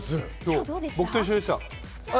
僕と一緒でした。